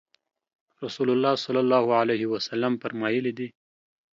رسول الله صلی الله علیه وسلم فرمایلي دي